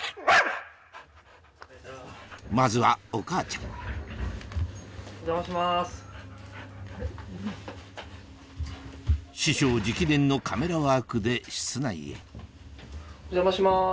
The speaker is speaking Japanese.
まずはお母ちゃん師匠直伝のカメラワークで室内へお邪魔します。